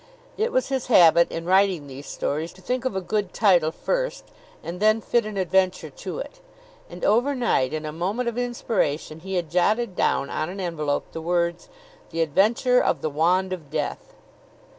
It was his habit, in writing these stories, to think of a good title first, and then fit an adventure to it. And overnight, in a moment of inspiration, he had jotted down on an envelope the words: "The Adventure of the Wand of Death."